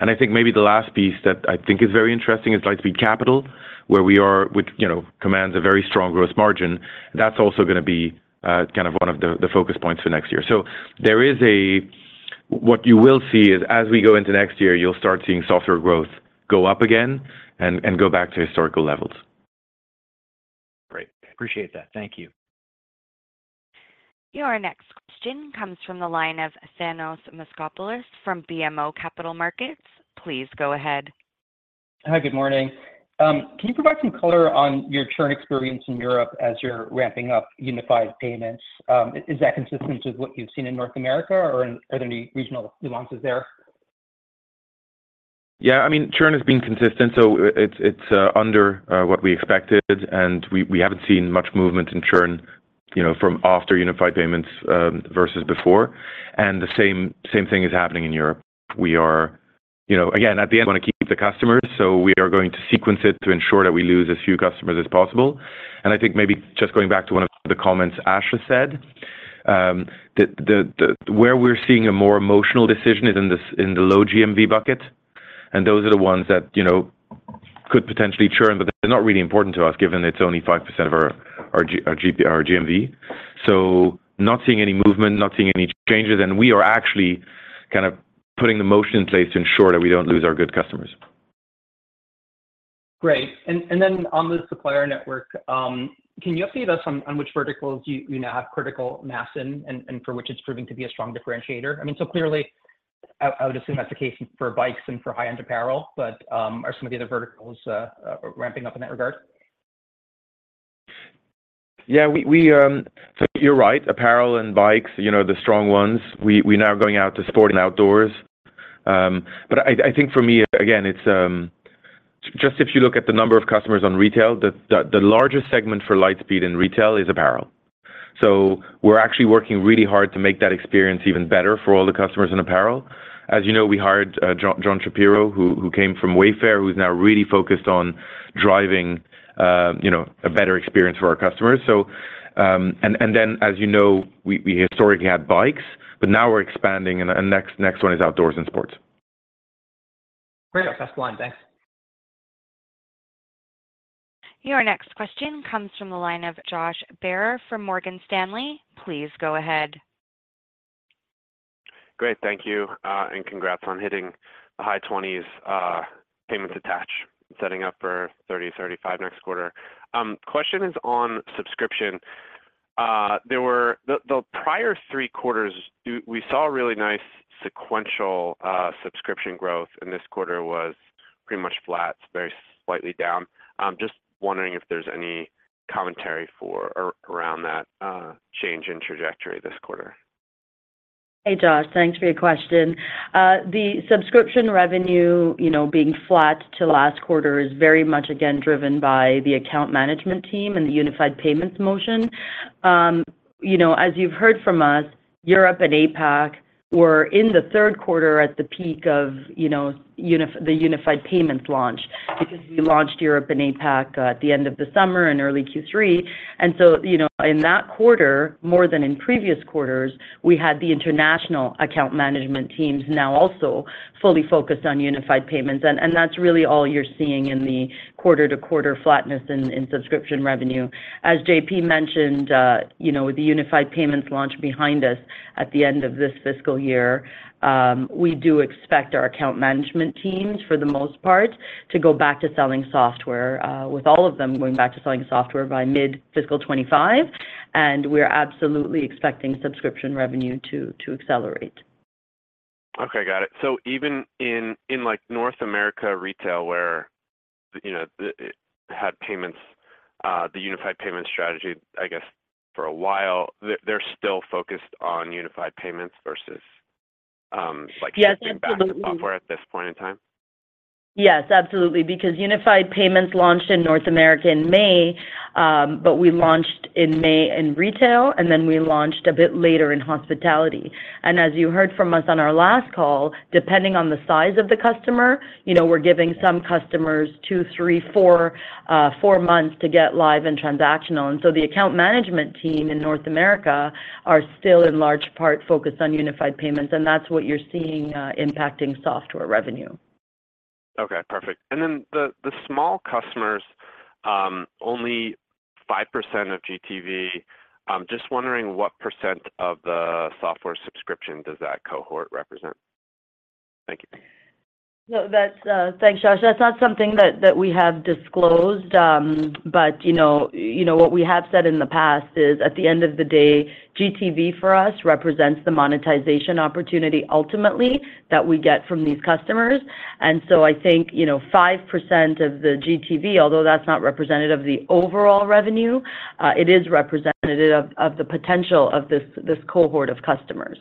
And I think maybe the last piece that I think is very interesting is Lightspeed Capital, where we are—which, you know, commands a very strong growth margin. That's also gonna be, kind of one of the focus points for next year. So there is a... What you will see is, as we go into next year, you'll start seeing software growth go up again and go back to historical levels.... Appreciate that. Thank you. Your next question comes from the line of Thanos Moschopoulos from BMO Capital Markets. Please go ahead. Hi, good morning. Can you provide some color on your churn experience in Europe as you're ramping up Unified Payments? Is that consistent with what you've seen in North America, or are there any regional nuances there? Yeah, I mean, churn has been consistent, so it's under what we expected, and we haven't seen much movement in churn, you know, from after Unified Payments versus before, and the same thing is happening in Europe. We are. You know, again, at the end, we wanna keep the customers, so we are going to sequence it to ensure that we lose as few customers as possible. And I think maybe just going back to one of the comments Ashley said, the where we're seeing a more emotional decision is in the low GMV bucket, and those are the ones that, you know, could potentially churn, but they're not really important to us, given it's only 5% of our GMV. Not seeing any movement, not seeing any changes, and we are actually kind of putting the motion in place to ensure that we don't lose our good customers. Great. And then on the supplier network, can you update us on which verticals you now have critical mass in, and for which it's proving to be a strong differentiator? I mean, so clearly, I would assume that's the case for bikes and for high-end apparel, but are some of the other verticals ramping up in that regard? Yeah, we... So you're right, apparel and bikes, you know, are the strong ones. We're now going out to sport and outdoors. But I think for me, again, it's just if you look at the number of customers on retail, the largest segment for Lightspeed in retail is apparel. So we're actually working really hard to make that experience even better for all the customers in apparel. As you know, we hired John Shapiro, who came from Wayfair, who's now really focused on driving, you know, a better experience for our customers. So, and then, as you know, we historically had bikes, but now we're expanding, and next one is outdoors and sports. Great. That's fine. Thanks. Your next question comes from the line of Josh Baer from Morgan Stanley. Please go ahead. Great. Thank you, and congrats on hitting the high 20s payments attach, setting up for 30-35 next quarter. Question is on subscription. In the prior 3 quarters, we saw really nice sequential subscription growth, and this quarter was pretty much flat, very slightly down. Just wondering if there's any commentary around that change in trajectory this quarter. Hey, Josh. Thanks for your question. The subscription revenue, you know, being flat to last quarter is very much again driven by the account management team and the Unified Payments motion. You know, as you've heard from us, Europe and APAC were in the third quarter at the peak of, you know, the Unified Payments launch, because we launched Europe and APAC at the end of the summer in early Q3. And so, you know, in that quarter, more than in previous quarters, we had the international account management teams now also fully focused on Unified Payments, and that's really all you're seeing in the quarter-to-quarter flatness in subscription revenue. As JP mentioned, you know, with the Unified Payments launch behind us at the end of this fiscal year, we do expect our account management teams, for the most part, to go back to selling software, with all of them going back to selling software by mid-fiscal 2025, and we're absolutely expecting subscription revenue to accelerate. Okay, got it. So even in like North America retail, where you know the it had payments the Unified Payments strategy I guess for a while they're still focused on Unified Payments versus like- Yes, absolutely software at this point in time? Yes, absolutely, because Unified Payments launched in North America in May, but we launched in May in retail, and then we launched a bit later in hospitality. And as you heard from us on our last call, depending on the size of the customer, you know, we're giving some customers 2, 3, 4, 4 months to get live and transactional. And so the account management team in North America are still in large part focused on Unified Payments, and that's what you're seeing, impacting software revenue. Okay, perfect. Then the small customers, only 5% of GTV, I'm just wondering what % of the software subscription does that cohort represent? Thank you. So that's... Thanks, Josh. That's not something that we have disclosed, but you know, what we have said in the past is, at the end of the day, GTV for us represents the monetization opportunity ultimately that we get from these customers. And so I think, you know, 5% of the GTV, although that's not representative of the overall revenue, it is representative of the potential of this cohort of customers.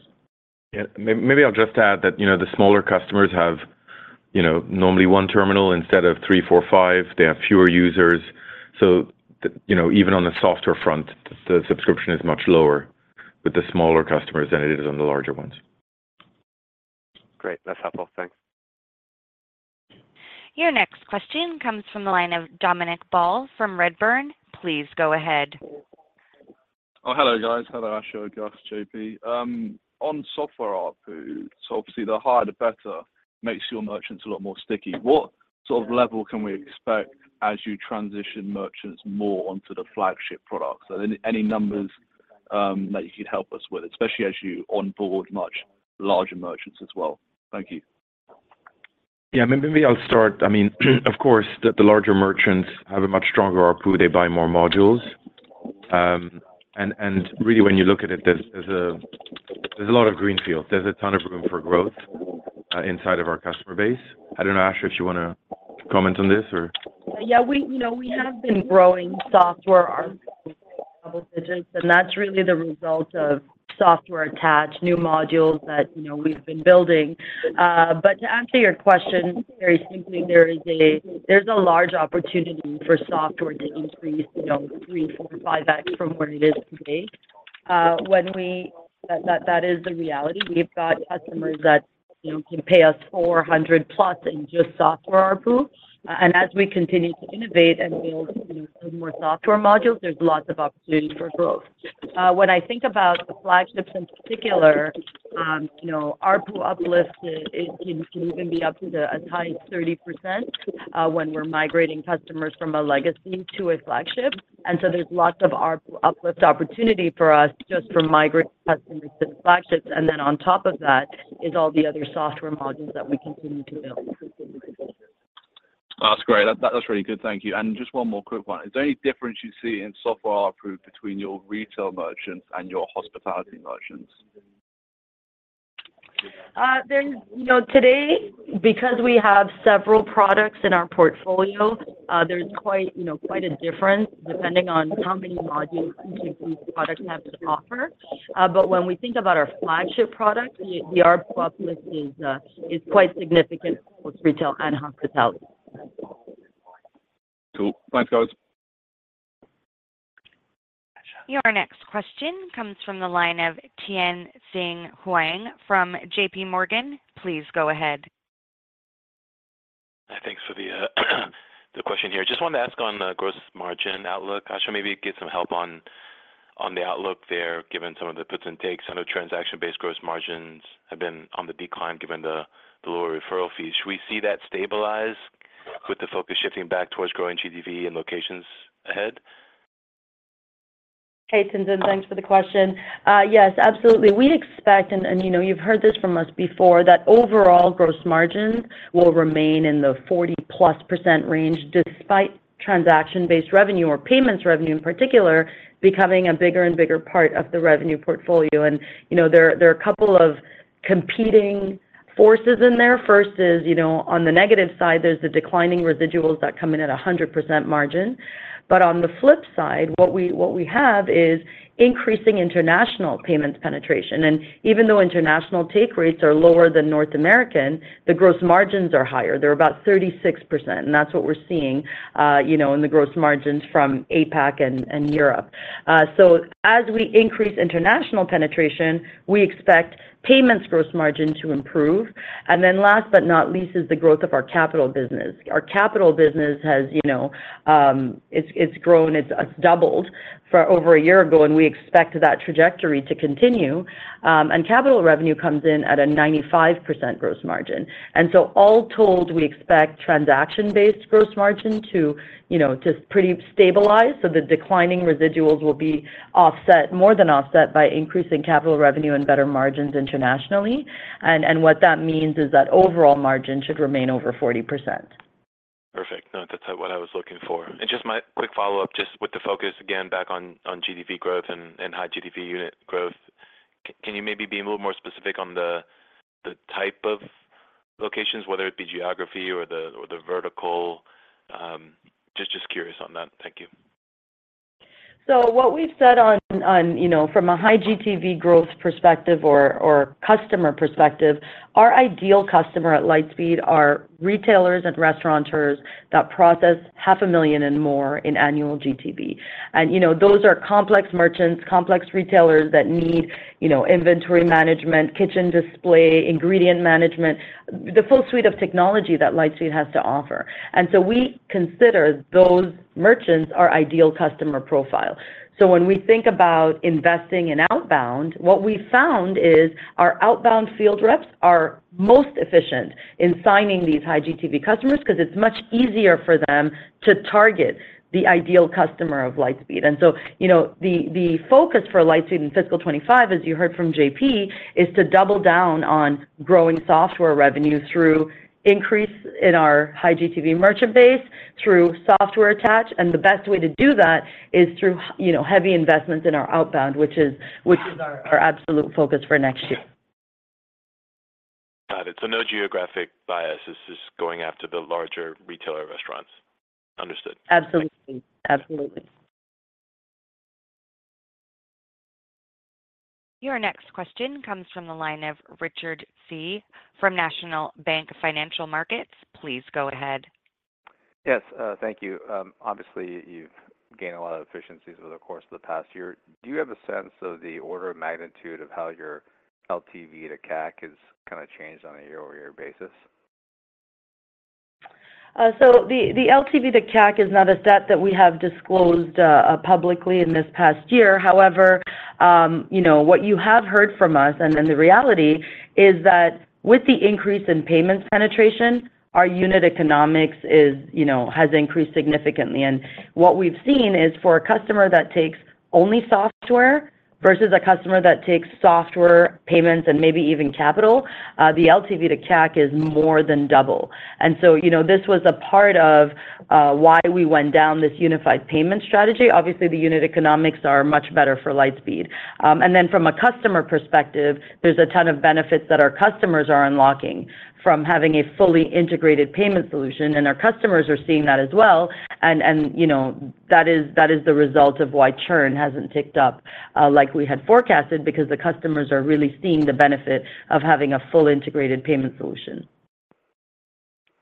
Yeah. Maybe I'll just add that, you know, the smaller customers have, you know, normally 1 terminal instead of 3, 4, 5. They have fewer users. So, you know, even on the software front, the subscription is much lower with the smaller customers than it is on the larger ones. Great. That's helpful. Thanks. Your next question comes from the line of Dominic Ball from Redburn. Please go ahead. Oh, hello, guys. Hello, Asha, Gus, JP. On software ARPU, so obviously, the higher, the better, makes your merchants a lot more sticky. What sort of level can we expect as you transition merchants more onto the flagship products? So any, any numbers, that you could help us with, especially as you onboard much larger merchants as well? Thank you.... Yeah, maybe, maybe I'll start. I mean, of course, the larger merchants have a much stronger ARPU; they buy more modules. And really, when you look at it, there's a lot of greenfield. There's a ton of room for growth inside of our customer base. I don't know, Asha, if you wanna comment on this, or? Yeah, we, you know, we have been growing software ARPU in double digits, and that's really the result of software attach, new modules that, you know, we've been building. But to answer your question, very simply, there's a large opportunity for software to increase, you know, 3x, 4x, 5x from where it is today. That is the reality. We've got customers that, you know, can pay us $400+ in just software ARPU. And as we continue to innovate and build, you know, more software modules, there's lots of opportunity for growth. When I think about the flagships in particular, you know, ARPU uplift is, it can even be up to as high as 30%, when we're migrating customers from a legacy to a flagship. And so there's lots of ARPU uplift opportunity for us, just from migrating customers to the flagships. And then on top of that, is all the other software modules that we continue to build. That's great. That, that's really good. Thank you. And just one more quick one. Is there any difference you see in software ARPU between your retail merchants and your hospitality merchants? You know, today, because we have several products in our portfolio, there's quite, you know, quite a difference depending on how many modules each product have to offer. But when we think about our flagship product, the ARPU uplift is quite significant for retail and hospitality. Cool. Thanks, guys. Your next question comes from the line of Tien-Tsin Huang from JPMorgan. Please go ahead. Hi, thanks for the question here. Just wanted to ask on the gross margin outlook. Asha, maybe get some help on the outlook there, given some of the puts and takes. I know transaction-based gross margins have been on the decline, given the lower referral fees. Should we see that stabilize with the focus shifting back towards growing GTV and locations ahead? Hey, Tien-Tsin, thanks for the question. Yes, absolutely. We expect, and, and, you know, you've heard this from us before, that overall gross margins will remain in the 40%+ range, despite transaction-based revenue or payments revenue in particular, becoming a bigger and bigger part of the revenue portfolio. And, you know, there, there are a couple of competing forces in there. First is, you know, on the negative side, there's the declining residuals that come in at a 100% margin. But on the flip side, what we, what we have is increasing international payments penetration. And even though international take rates are lower than North American, the gross margins are higher. They're about 36%, and that's what we're seeing, you know, in the gross margins from APAC and Europe. So as we increase international penetration, we expect payments gross margin to improve. And then last but not least, is the growth of our capital business. Our capital business has, you know, it's, it's grown, it's doubled from over a year ago, and we expect that trajectory to continue. And capital revenue comes in at a 95% gross margin. And so all told, we expect transaction-based gross margin to, you know, to pretty stabilize, so the declining residuals will be offset, more than offset by increasing capital revenue and better margins internationally. And what that means is that overall margin should remain over 40%. Perfect. No, that's what I was looking for. And just my quick follow-up, just with the focus again, back on, on GTV growth and, and high GTV unit growth. Can you maybe be a little more specific on the, the type of locations, whether it be geography or the, or the vertical? Just, just curious on that. Thank you. So what we've said on you know from a high GTV growth perspective or customer perspective, our ideal customer at Lightspeed are retailers and restaurateurs that process $500,000 and more in annual GTV. You know, those are complex merchants, complex retailers that need you know inventory management, kitchen display, ingredient management, the full suite of technology that Lightspeed has to offer. So we consider those merchants our ideal customer profile. So when we think about investing in outbound, what we found is our outbound field reps are most efficient in signing these high GTV customers, 'cause it's much easier for them to target the ideal customer of Lightspeed. You know, the focus for Lightspeed in fiscal 2025, as you heard from JP, is to double down on growing software revenue through increase in our high GTV merchant base, through software attach. The best way to do that is through you know, heavy investments in our outbound, which is our absolute focus for next year. Got it. So no geographic bias, this is going after the larger retailer restaurants. Understood. Absolutely. Absolutely. Your next question comes from the line of Richard Tse from National Bank Financial Markets. Please go ahead. Yes, thank you. Obviously, you've gained a lot of efficiencies over the course of the past year. Do you have a sense of the order of magnitude of how your LTV to CAC has kind of changed on a year-over-year basis? ... So the, the LTV to CAC is not a stat that we have disclosed publicly in this past year. However, you know, what you have heard from us, and then the reality is that with the increase in payments penetration, our unit economics is, you know, has increased significantly. And what we've seen is for a customer that takes only software versus a customer that takes software, payments, and maybe even capital, the LTV to CAC is more than double. And so, you know, this was a part of why we went down this Unified Payment strategy. Obviously, the unit economics are much better for Lightspeed. And then from a customer perspective, there's a ton of benefits that our customers are unlocking from having a fully integrated payment solution, and our customers are seeing that as well. You know, that is the result of why churn hasn't ticked up, like we had forecasted, because the customers are really seeing the benefit of having a full integrated payment solution.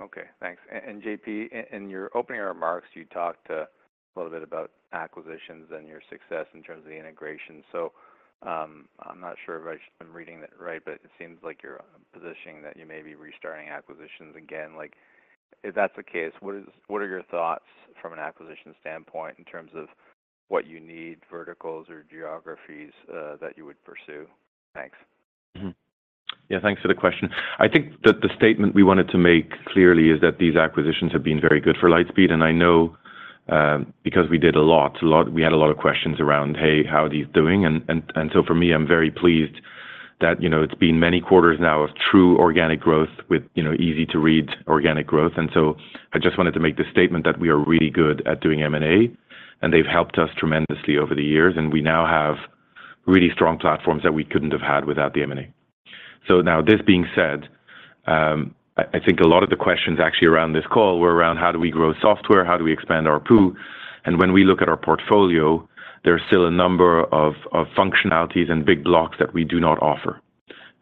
Okay, thanks. And JP, in your opening remarks, you talked a little bit about acquisitions and your success in terms of the integration. So, I'm not sure if I've just been reading it right, but it seems like you're positioning that you may be restarting acquisitions again. Like, if that's the case, what are your thoughts from an acquisition standpoint in terms of what you need, verticals or geographies that you would pursue? Thanks. Mm-hmm. Yeah, thanks for the question. I think that the statement we wanted to make clearly is that these acquisitions have been very good for Lightspeed, and I know, because we had a lot of questions around, "Hey, how are these doing?" And so for me, I'm very pleased that, you know, it's been many quarters now of true organic growth with, you know, easy-to-read organic growth. And so I just wanted to make the statement that we are really good at doing M&A, and they've helped us tremendously over the years, and we now have really strong platforms that we couldn't have had without the M&A. So now, this being said, I think a lot of the questions actually around this call were around how do we grow software, how do we expand our pool? And when we look at our portfolio, there are still a number of functionalities and big blocks that we do not offer.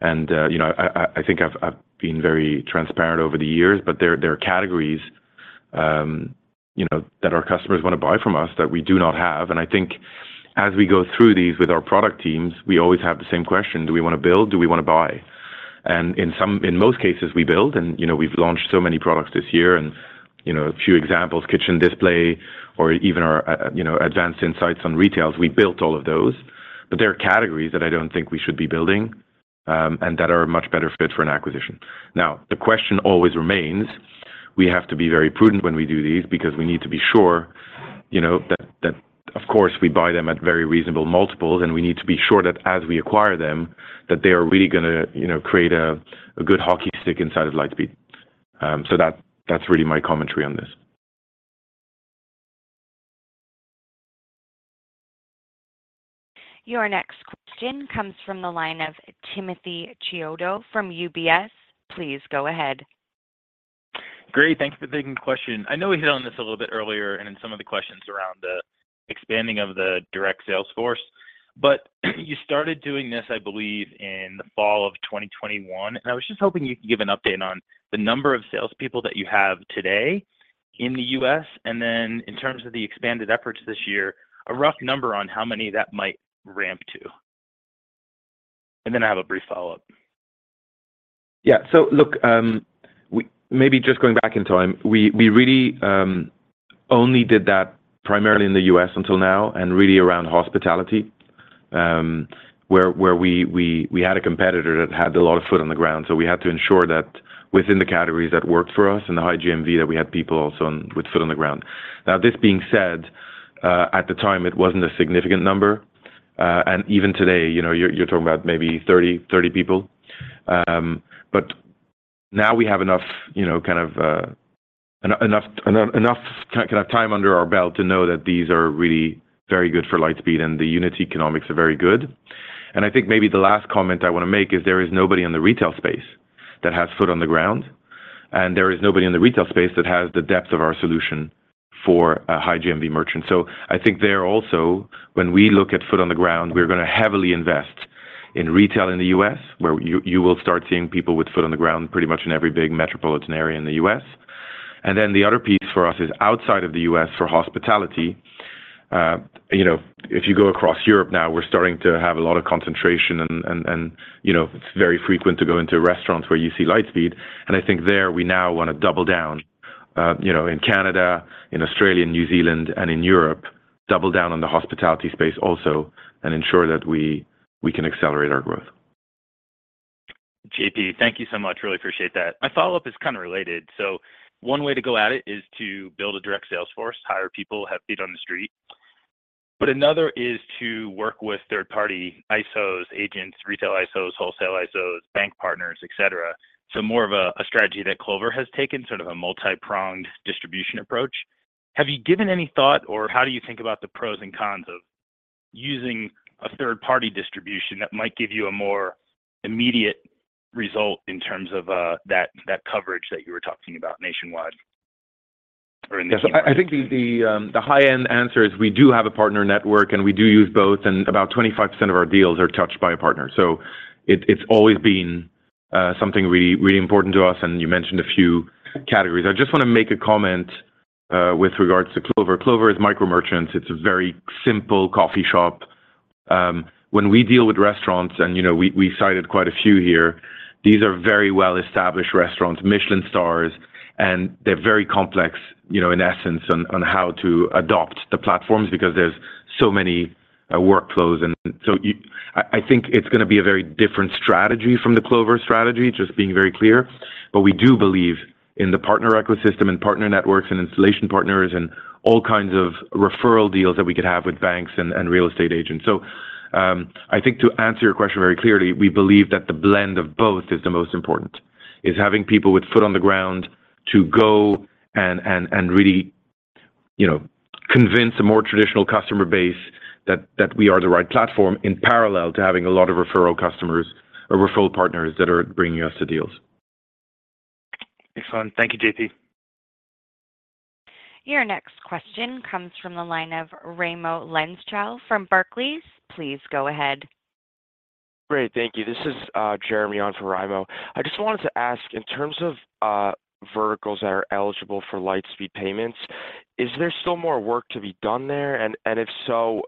And, you know, I think I've been very transparent over the years, but there are categories, you know, that our customers wanna buy from us that we do not have. And I think as we go through these with our product teams, we always have the same question: Do we wanna build? Do we wanna buy? And in most cases, we build, and, you know, we've launched so many products this year and, you know, a few examples, Kitchen Display, or even our, you know, Advanced Insights on retail. We built all of those. But there are categories that I don't think we should be building, and that are a much better fit for an acquisition. Now, the question always remains. We have to be very prudent when we do these because we need to be sure, you know, that of course we buy them at very reasonable multiples, and we need to be sure that as we acquire them, that they are really gonna, you know, create a good hockey stick inside of Lightspeed. So that's really my commentary on this. Your next question comes from the line of Timothy Chiodo from UBS. Please go ahead. Great, thank you for taking the question. I know we hit on this a little bit earlier and in some of the questions around the expanding of the direct sales force, but you started doing this, I believe, in the fall of 2021, and I was just hoping you could give an update on the number of salespeople that you have today in the U.S., and then in terms of the expanded efforts this year, a rough number on how many that might ramp to. And then I have a brief follow-up. Yeah. So look, maybe just going back in time, we really only did that primarily in the U.S. until now and really around hospitality, where we had a competitor that had a lot of foot on the ground, so we had to ensure that within the categories that worked for us and the high GMV, that we had people also with foot on the ground. Now, this being said, at the time, it wasn't a significant number, and even today, you know, you're talking about maybe 30, 30 people. But now we have enough, you know, kind of time under our belt to know that these are really very good for Lightspeed, and the unit economics are very good. And I think maybe the last comment I wanna make is there is nobody in the retail space that has foot on the ground, and there is nobody in the retail space that has the depth of our solution for a high GMV merchant. So I think there also, when we look at foot on the ground, we're gonna heavily invest in retail in the U.S., where you will start seeing people with foot on the ground pretty much in every big metropolitan area in the U.S. And then the other piece for us is outside of the U.S. for hospitality, you know, if you go across Europe now, we're starting to have a lot of concentration and, you know, it's very frequent to go into restaurants where you see Lightspeed. I think there, we now wanna double down, you know, in Canada, in Australia, New Zealand, and in Europe, double down on the hospitality space also and ensure that we, we can accelerate our growth. JP, thank you so much. Really appreciate that. My follow-up is kind of related. So one way to go at it is to build a direct sales force, hire people, have feet on the street, but another is to work with third-party ISOs, agents, retail ISOs, wholesale ISOs, bank partners, et cetera. So more of a strategy that Clover has taken, sort of a multi-pronged distribution approach. Have you given any thought or how do you think about the pros and cons of using a third-party distribution that might give you a more immediate result in terms of that coverage that you were talking about nationwide or in the- Yes, I think the high-end answer is we do have a partner network, and we do use both, and about 25% of our deals are touched by a partner. So it's always been something really, really important to us, and you mentioned a few categories. I just wanna make a comment with regards to Clover. Clover is micro merchants. It's a very simple coffee shop when we deal with restaurants, and you know we cited quite a few here, these are very well-established restaurants, Michelin stars, and they're very complex, you know, in essence, on how to adopt the platforms because there's so many workflows. And so I think it's gonna be a very different strategy from the Clover strategy, just being very clear. But we do believe in the partner ecosystem and partner networks and installation partners and all kinds of referral deals that we could have with banks and real estate agents. So, I think to answer your question very clearly, we believe that the blend of both is the most important. It's having people with foot on the ground to go and really, you know, convince a more traditional customer base that we are the right platform in parallel to having a lot of referral customers or referral partners that are bringing us the deals. Excellent. Thank you, JP. Your next question comes from the line of Raimo Lenschow from Barclays. Please go ahead. Great. Thank you. This is Jeremy on for Raimo. I just wanted to ask, in terms of verticals that are eligible for Lightspeed Payments, is there still more work to be done there? And if so,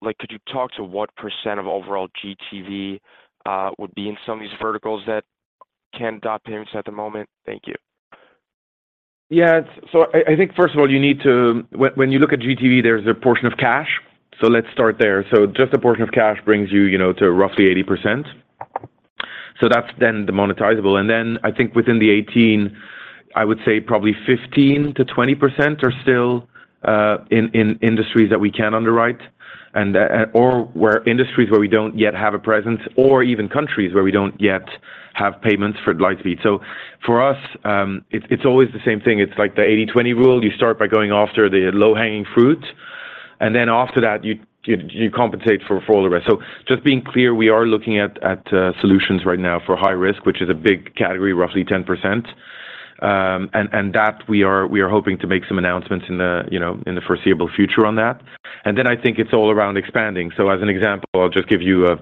like, could you talk to what % of overall GTV would be in some of these verticals that can't adopt payments at the moment? Thank you. Yeah. So I think, first of all, you need to. When you look at GTV, there's a portion of cash, so let's start there. So just a portion of cash brings you, you know, to roughly 80%. So that's then the monetizable. And then I think within the 18, I would say probably 15%-20% are still in industries that we can't underwrite and or in industries where we don't yet have a presence, or even countries where we don't yet have payments for Lightspeed. So for us, it's always the same thing. It's like the 80-20 rule. You start by going after the low-hanging fruit, and then after that, you compensate for all the rest. So just being clear, we are looking at solutions right now for high risk, which is a big category, roughly 10%. And that we are hoping to make some announcements in the, you know, in the foreseeable future on that. And then I think it's all around expanding. So as an example, I'll just give you a,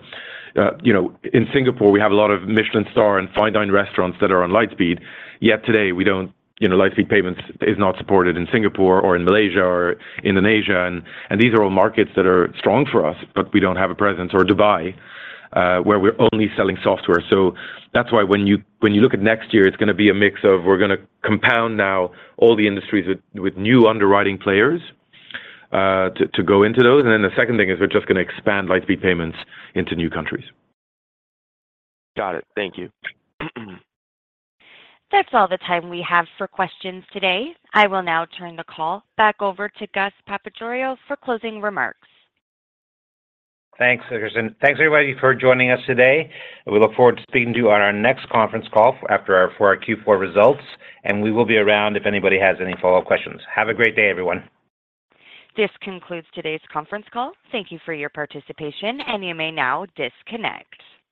you know... In Singapore, we have a lot of Michelin star and fine dining restaurants that are on Lightspeed, yet today, we don't, you know, Lightspeed Payments is not supported in Singapore or in Malaysia or Indonesia. And these are all markets that are strong for us, but we don't have a presence, or Dubai, where we're only selling software. So that's why when you look at next year, it's gonna be a mix of we're gonna compound now all the industries with new underwriting players to go into those. And then the second thing is we're just gonna expand Lightspeed Payments into new countries. Got it. Thank you. That's all the time we have for questions today. I will now turn the call back over to Gus Papageorgiou for closing remarks. Thanks, Kirsten. Thanks, everybody, for joining us today, and we look forward to speaking to you on our next conference call after our, for our Q4 results, and we will be around if anybody has any follow-up questions. Have a great day, everyone. This concludes today's conference call. Thank you for your participation, and you may now disconnect.